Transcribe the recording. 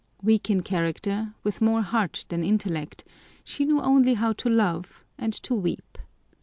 Weak in character, with more heart than intellect, she knew only how to love and to weep.